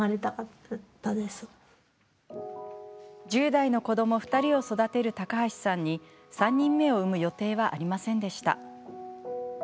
１０代の子ども２人を育てる高橋さんに３人目を産む予定はありませんでした。